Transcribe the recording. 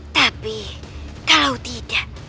tapi kalau tidak